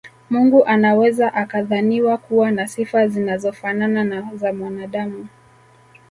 Mungu anaweza akadhaniwa kuwa na sifa zinazofanana na za mwanaadamu